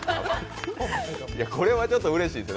これはちょっとうれしいですね